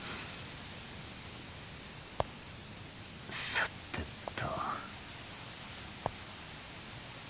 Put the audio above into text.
さてと。